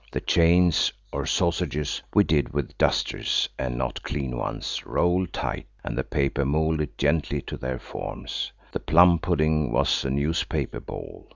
The chains, or sausages, we did with dusters–and not clean ones–rolled tight, and the paper moulded gently to their forms. The plum pudding was a newspaper ball.